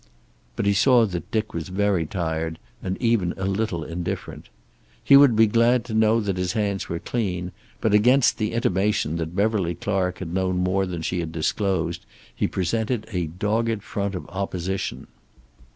But he saw that Dick was very tired, and even a little indifferent. He would be glad to know that his hands were clean, but against the intimation that Beverly Carlysle had known more than she had disclosed he presented a dogged front of opposition.